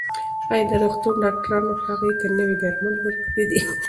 ایا د روغتون ډاکټرانو هغې ته نوي درمل ورکړي دي؟